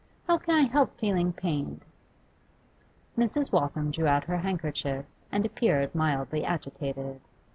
How can I help feeling pained?' Mrs. Waltham drew out her handkerchief and appeared mildly agitated.